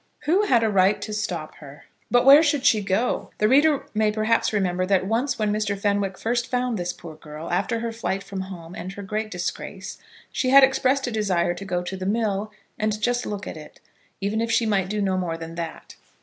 Who had a right to stop her? But where should she go? The reader may perhaps remember that once when Mr. Fenwick first found this poor girl, after her flight from home and her great disgrace, she had expressed a desire to go to the mill and just look at it, even if she might do no more than that.